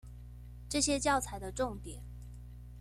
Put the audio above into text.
這些教材的重點